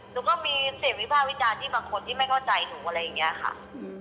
หนูก็มีเสพวิภาพิจารณ์ที่บางคนที่ไม่เข้าใจหนูอะไรแบบนี้ครับ